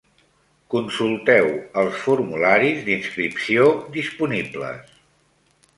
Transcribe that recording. Consulteu els formularis d'inscripció disponibles.